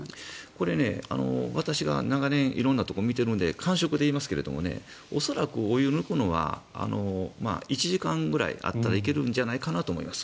これ、私が長年色んなところを見ているので感触で言いますけれど恐らくお湯を抜くのは１時間ぐらいあったらいけるんじゃないかと思います。